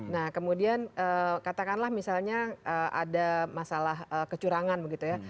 nah kemudian katakanlah misalnya ada masalah kecurangan begitu ya